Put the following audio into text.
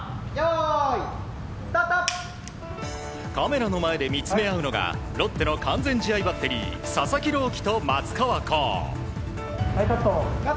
カメラの前で見つめ合うのがロッテの完全試合バッテリー佐々木朗希と松川虎生。